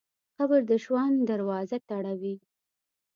قبر د ژوند دروازه تړوي.